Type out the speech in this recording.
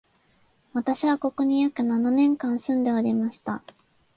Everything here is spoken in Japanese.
私は、ここに約七年間住んでおりました